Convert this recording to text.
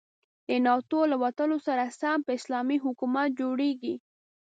د ناتو له وتلو سره سم به اسلامي حکومت جوړيږي.